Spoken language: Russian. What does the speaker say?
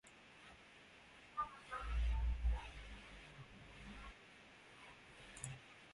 Как уже отметили многие ораторы в своих выступлениях, «то, что поддается оценке, можно осуществить».